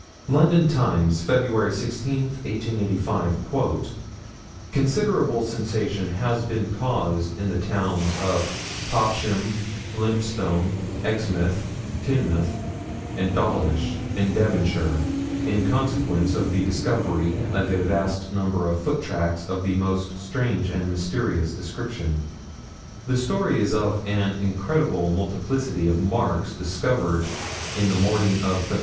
London Times, Feb 16, 1855: "Considerable sensation has been caused in the towns of Topsham, Lymphstone, Exmouth, Teignmouth, and Dawlish, in Devonshire, in consequence of the discovery of a vast number of foot tracks of a most strange and mysterious description." The story is of an incredible multiplicity of marks discovered in the morning of Feb.